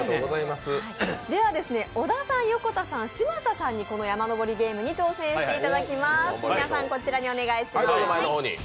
では、小田さん、横田さん、嶋佐さんに「山のぼりゲーム」に挑戦していただきます。